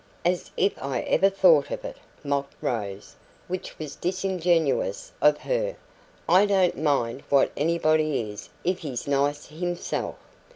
"As if I ever thought of it!" mocked Rose, which was disingenuous of her. "I don't mind what anybody is if he's nice himself."